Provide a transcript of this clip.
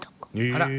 あら！